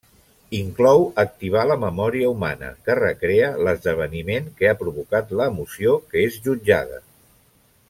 Inclou activar la memòria humana, que recrea l'esdeveniment que ha provocat l'emoció que és jutjada.